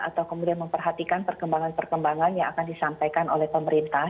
atau kemudian memperhatikan perkembangan perkembangan yang akan disampaikan oleh pemerintah